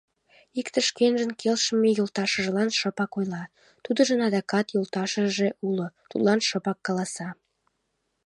Икте шкенжын келшыме йолташыжлан шыпак ойла, тудыжын адакат йолташыже уло, тудлан шыпак каласа: